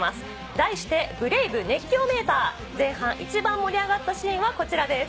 題してＢＲＡＶＥ熱狂メーター、前半、一番盛り上がったシーンはこちらです。